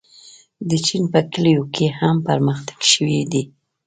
د چین په کلیو کې هم پرمختګ شوی دی.